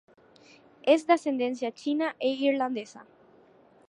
Es de ascendencia china e irlandesa.